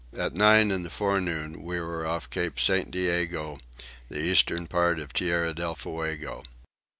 At nine in the forenoon we were off Cape St. Diego, the eastern part of Tierra del Fuego.